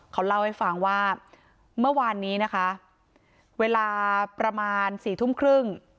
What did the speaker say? เขาเล่าให้ฟังว่าเมื่อวานนี้นะคะเวลาประมาณสี่ทุ่มครึ่ง